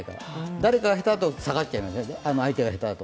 誰かが下手だと下がっちゃいますよね、相手が下手だと。